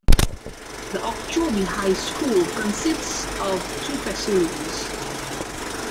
The Okeechobee High School consists of two facilities.